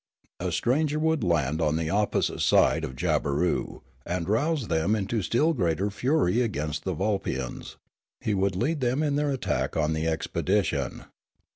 A stranger would land on the opposite side of Jabberoo, and rouse them into still greater fury against the \'ul pians ; he would head them in their attack on the expedition.